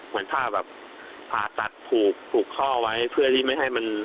เหมือนถ้าแบบผ่าตัดผูกผูกข้อไว้เพื่อที่ไม่ให้มัน